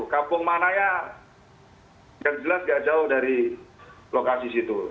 kampung mana ya yang jelas nggak jauh dari lokasi situ